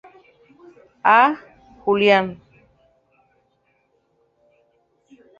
A. Julian.